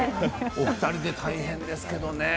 お二人で大変ですね。